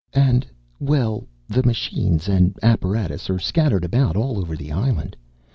"And, well, the machines and apparatus are scattered about all over the island.